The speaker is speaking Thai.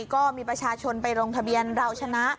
ก็มีประชาชนไปลงทะเบียนเราชนะ